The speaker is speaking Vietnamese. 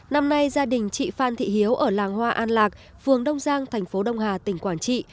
năm nay gia đình chị phan thị hiếu ở làng hoa an lạc phường đông giang thành phố đông hà tỉnh quảng trị